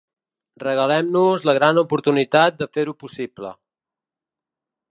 Regalem-nos la gran oportunitat de fer-ho possible.